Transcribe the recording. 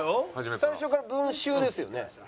最初から「文集」ですよね。